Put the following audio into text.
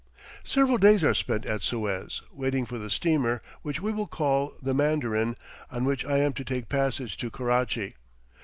Several days are spent at Suez, waiting for the steamer which we will call the Mandarin, on which I am to take passage to Karachi.